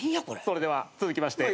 それでは続きまして。